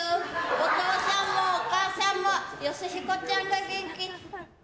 お父さんもお母さんもヨシヒコちゃんが元気。